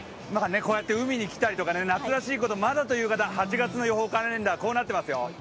こうやって海に来たりとか夏らしいことがまだという方、８月の予報カレンダー、こうなってますよ。